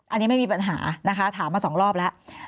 อันนี้ไม่มีปัญหานะคะถามมา๒รอบแล้ว